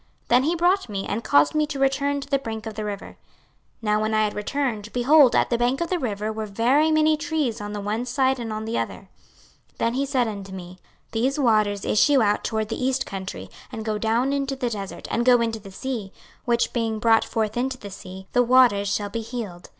Then he brought me, and caused me to return to the brink of the river. 26:047:007 Now when I had returned, behold, at the bank of the river were very many trees on the one side and on the other. 26:047:008 Then said he unto me, These waters issue out toward the east country, and go down into the desert, and go into the sea: which being brought forth into the sea, the waters shall be healed.